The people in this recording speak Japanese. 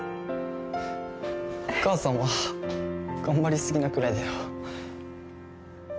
お母さんは頑張りすぎなくらいだよ。